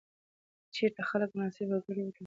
که چیرته خلک مناسبې هوکړې وتړي، ګډ ژوند به اسانه سي.